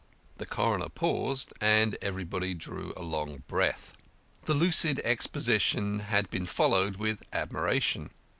The coroner paused, and everybody drew a long breath. The lucid exposition had been followed with admiration.